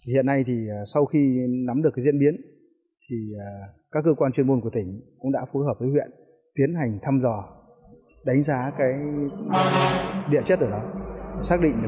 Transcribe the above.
hiện nay sau khi nắm được diễn biến các cơ quan chuyên môn của tỉnh cũng đã phối hợp với huyện tiến hành thăm dò đánh giá địa chất ở đó